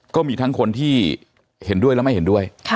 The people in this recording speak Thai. ก็มีทั้งคนที่เห็นด้วยและไม่เห็นด้วย